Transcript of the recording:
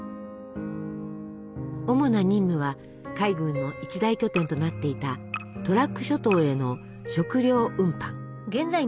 主な任務は海軍の一大拠点となっていたトラック諸島への食糧運搬。